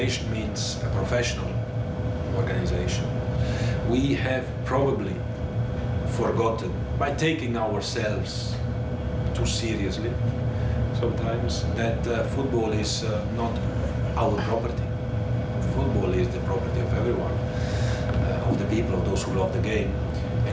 วินาทีสหรัฐของผู้แก่ฝ่าที่เป็นผู้ช่วยเกินขึ้น